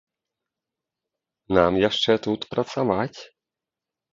Нам яшчэ тут працаваць.